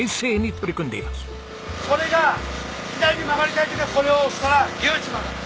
これが左に曲がりたい時はこれを押したらギューっち曲がる。